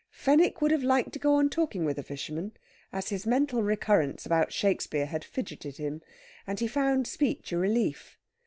Fenwick would have liked to go on talking with the fisherman, as his mental recurrence about Shakespeare had fidgeted him, and he found speech a relief.